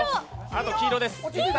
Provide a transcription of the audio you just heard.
あと黄色です。